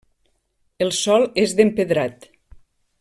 El sòl és d'empedrat.